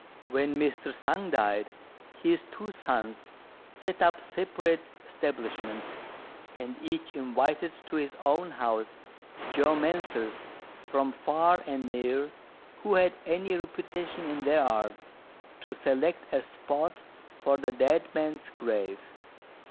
When Mr. Sung died, his two sons set up separate establishments, and each invited to his own house geomancers from far and near, who had any reputation in their art, to select a spot for the dead man's grave.